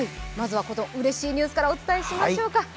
まずはうれしいニュースからお伝えしましょうか。